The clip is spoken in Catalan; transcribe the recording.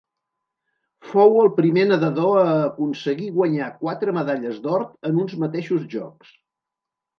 Fou el primer nedador a aconseguir guanyar quatre medalles d'or en uns mateixos Jocs.